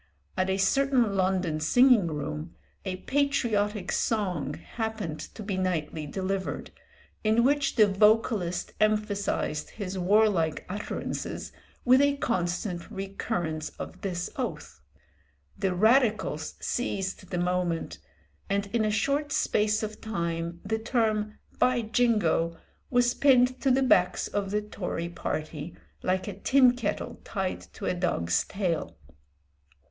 At a certain London singing room a patriotic song happened to be nightly delivered, in which the vocalist emphasised his warlike utterances with a constant recurrence of this oath. The Radicals seized the moment, and in a short space of time the term "by Jingo" was pinned to the backs of the Tory party like a tin kettle tied to a dog's tail.